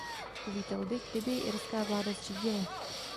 Uvítal bych, kdyby ji irská vláda zřídila.